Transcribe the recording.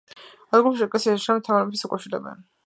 ადგილობრივები ეკლესიის აშენებას თამარ მეფეს უკავშირებენ.